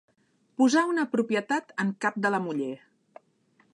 Posar una propietat en cap de la muller.